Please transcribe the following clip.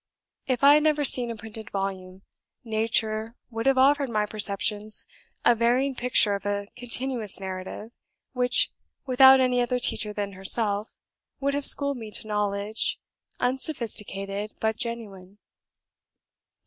If I had never seen a printed volume, Nature would have offered my perceptions a varying picture of a continuous narrative, which, without any other teacher than herself, would have schooled me to knowledge, unsophisticated, but genuine.